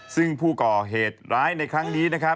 ซึ่งผู้ก่อเหตุร้ายในครั้งนี้